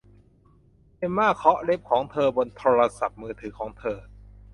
เอมม่าเคาะเล็บของเธอบนโทรศัพท์มือถือของเธอ